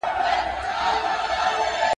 پر گازره نه يم، پر خرپ ئې ېم.